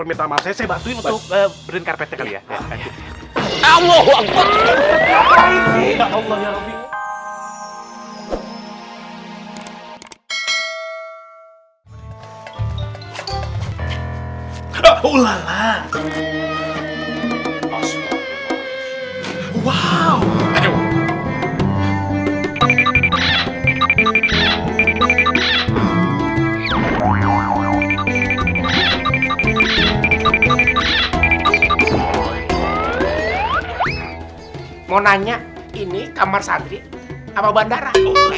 mau nanya ini kamar sandri apa bandara